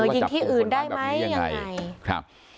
ยิงที่อื่นได้ไหมยังไงครับ